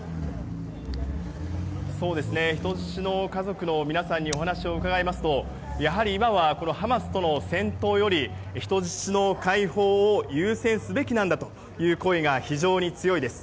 人質の家族の皆さんにお話を伺いますとやはり今はハマスとの戦闘より人質の解放を優先すべきなんだという声が非常に強いです。